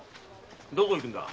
どこへ行くんだ？